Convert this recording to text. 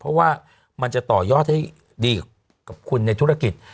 เพราะว่ามันจะต่อยอดให้ดีกับคุณในธุรกิจ